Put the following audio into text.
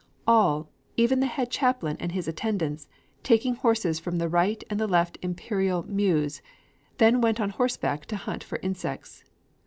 All, even the head chaplain and his attendants, taking horses from the Right and the Left Imperial Mews, then went on horseback to hunt for insects.